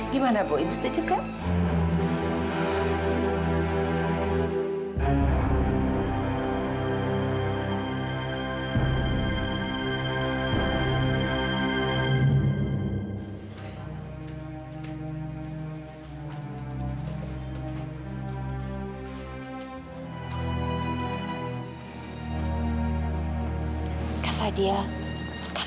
gimana bu ibu setuju gak